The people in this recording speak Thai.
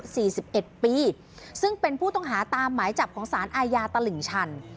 สิบเอ็ดปีซึ่งเป็นผู้ต้องหาตามหมายจับของสารอาญาตลิ่งชัน